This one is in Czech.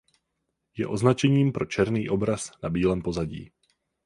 Je označením pro černý obraz na bílém pozadí.